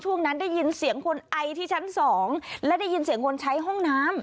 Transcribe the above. ช่วงนั้นได้ยินเสียงคนไอที่ชั้นสองและได้ยินเสียงคนใช้ห้องน้ำ